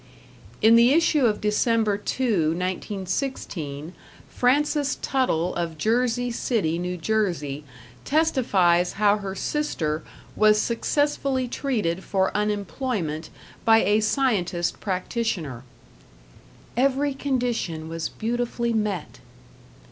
In the issue of December 2, 1916, Frances Tuttle of Jersey City, N.J., testifies how her sister was successfully treated for unemployment by a scientist practitioner. "Every condition was beautifully met."